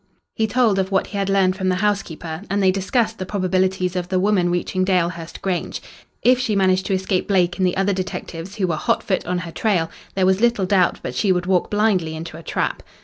He told of what he had learned from the housekeeper, and they discussed the probabilities of the woman reaching Dalehurst Grange. If she managed to escape Blake and the other detectives who were hot foot on her trail there was little doubt but that she would walk blindly into a trap.